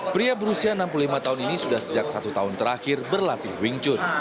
pria berusia enam puluh lima tahun ini sudah sejak satu tahun terakhir berlatih wing chun